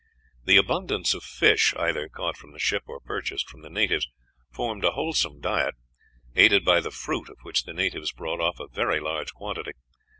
The abundance of fish either caught from the ship or purchased from the natives formed a wholesome diet, aided by the fruit, of which the natives brought off a very large quantity.